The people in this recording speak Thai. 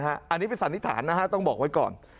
อันนี้เป็นสันนิษฐานนะฮะต้องบอกไว้ก่อน